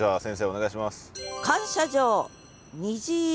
お願いします。